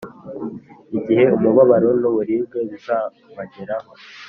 Igihe umubabaro n’uburibwe bizabageraho